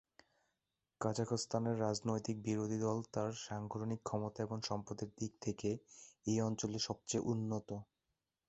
কাজাখস্তানের রাজনৈতিক বিরোধী দল তার সাংগঠনিক ক্ষমতা এবং সম্পদের দিক থেকে এই অঞ্চলে সবচেয়ে উন্নত।